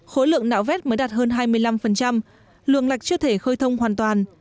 khối lượng nạo vét mới đạt hơn hai mươi năm luồng lạch chưa thể khơi thông hoàn toàn